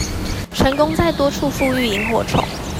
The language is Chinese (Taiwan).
成功在多處復育螢火蟲